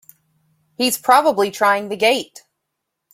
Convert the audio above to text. He's probably trying the gate!